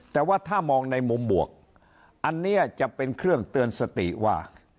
แต่ว่าถ้ามองในมุมบวกอันนี้จะเป็นเครื่องเตือนสติว่า